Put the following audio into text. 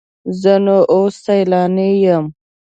زه نو اوس سیلانی یم.